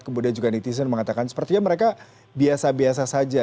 kemudian juga netizen mengatakan sepertinya mereka biasa biasa saja